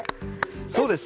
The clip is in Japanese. そうです。